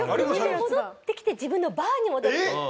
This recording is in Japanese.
戻ってきて自分のバーに戻って。